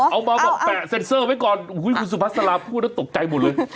เอามาเตะเซ็นเซอร์ไว้ก่อนคุณคุณสุภัสราพูดตกใจหมดเลย